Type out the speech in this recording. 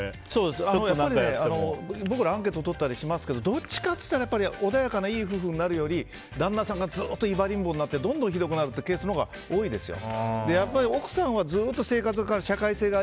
やっぱり僕らアンケート取ったりしますけどどっちかって言ったら穏やかないい夫婦になるより旦那さんがずっといばりん坊になってひどくなっていくケースのほうが多いですよ。